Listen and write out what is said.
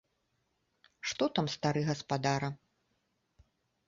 Што там стары гаспадара.